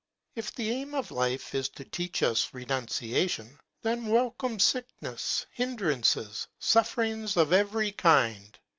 If the aim of life is to teach us renunciation, then welcome sickness, hin drances, sufferings of every kind!